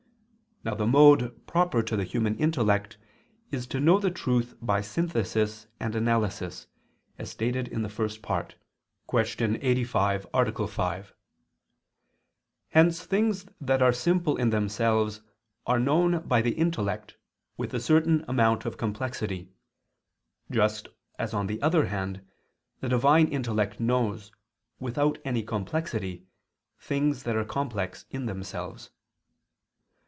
Now the mode proper to the human intellect is to know the truth by synthesis and analysis, as stated in the First Part (Q. 85, A. 5). Hence things that are simple in themselves, are known by the intellect with a certain amount of complexity, just as on the other hand, the Divine intellect knows, without any complexity, things that are complex in themselves.